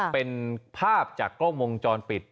เป็นภาพจากกล้องวงจรปิด